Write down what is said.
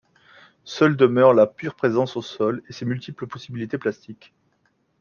Seule demeure la pure présence au sol et ses multiples possibilités plastiques.